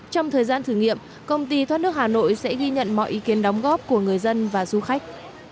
trong thời gian thử nghiệm công ty thoát nước hà nội sẽ ghi nhận mọi ý kiến đóng góp của người dân và du khách